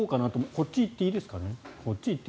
こっち行っていいですかね。